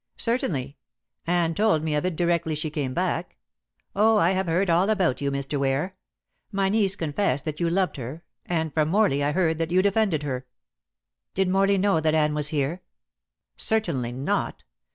"Certainly. Anne told me of it directly she came back. Oh, I have heard all about you, Mr. Ware. My niece confessed that you loved her, and from Morley I heard that you defended her." "Did Morley know that Anne was here?" "Certainly not.